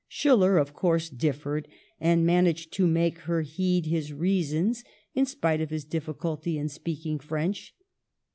Schiller, of course, differed; and managed to make her heed his reasons, in spite of his diffi culty in speaking French.